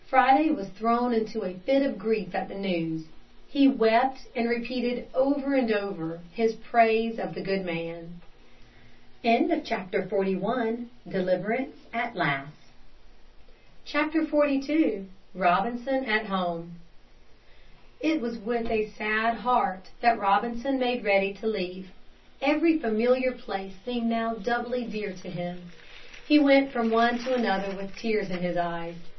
Friday was thrown into a fit of grief at the news. He wept and repeated over and over his praise of the good man. XLII ROBINSON AT HOME It was with a sad heart that Robinson made ready to leave. Every familiar place seemed now doubly dear to him. He went from one to another with tears in his eyes.